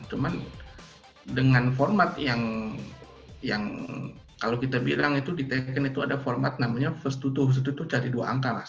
cuman dengan format yang kalau kita bilang di tekken itu ada format namanya first to two